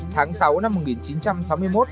tháng sáu năm một nghìn chín trăm sáu mươi một